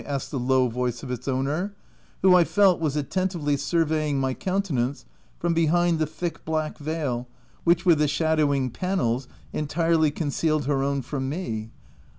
asked the low voice of its owner, who, I felt, was attentively surveying my coun tenance from behind the thick, black veil which with the shadowing panels, entirely concealed her own from me.